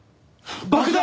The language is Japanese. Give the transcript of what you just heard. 爆弾！